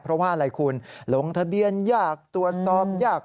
เพราะว่าอะไรคุณลงทะเบียนยากตรวจสอบยาก